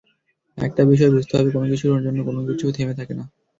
একটা বিষয় বুঝতে হবে, কোনো কিছুর জন্য কোনো কিছু থেমে থাকে না।